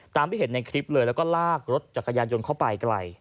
ที่เห็นในคลิปเลยแล้วก็ลากรถจักรยานยนต์เข้าไปไกล